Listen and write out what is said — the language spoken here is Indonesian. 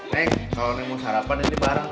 neng kalau mau sarapan ini bareng